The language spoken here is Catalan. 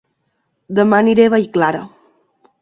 Dema aniré a Vallclara